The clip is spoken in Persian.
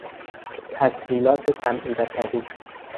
تسهیلات سمعی ـ بصری